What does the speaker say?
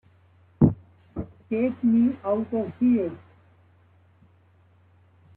Take me out of here!